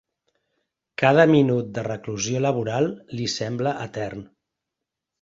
Cada minut de reclusió laboral li sembla etern.